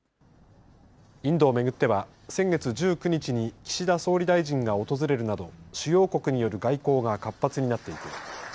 インドをめぐっては先月１９日に岸田総理大臣が訪れるなど主要国による外交が活発になっています。